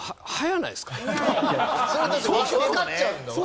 それはだってわかっちゃうんだもん。